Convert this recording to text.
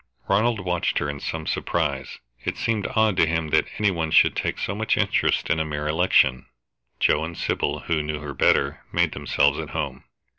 Ronald watched her in some surprise; it seemed odd to him that any one should take so much interest in a mere election. Joe and Sybil, who knew her better, made themselves at home.